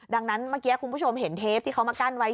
ดังนั้นเมื่อกี้คุณผู้ชมเห็นเทปที่เขามากั้นไว้